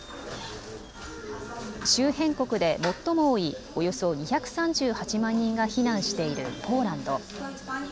周辺国で最も多いおよそ２３８万人が避難しているポーランド。